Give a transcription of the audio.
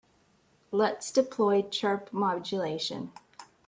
Let's deploy chirp modulation.